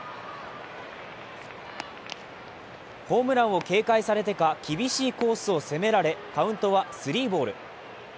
ホームランを警戒されてか厳しいコースを攻められカウントはスリーボール。